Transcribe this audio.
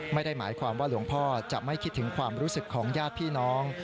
ไม่ได้หมายความว่าหลวงพ่อจะไม่คิดถึงความรู้สึกของญาติพี่น้อง